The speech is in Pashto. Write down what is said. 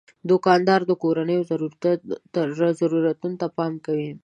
دوکاندار د کورنیو ضرورتونو ته پام کوي.